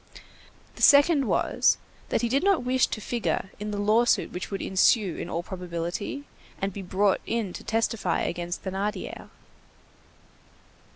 The second was, that he did not wish to figure in the lawsuit which would insue in all probability, and be brought in to testify against Thénardier.